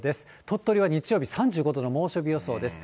鳥取は日曜日、３５度の猛暑日予想です。